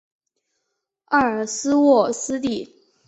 埃尔斯沃思地。